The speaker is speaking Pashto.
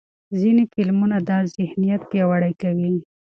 ځینې فلمونه دا ذهنیت پیاوړی کوي.